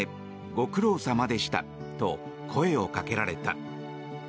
ご苦労様でしたと声をかけられた。